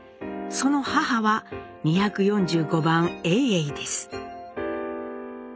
その母は２４５番永永です。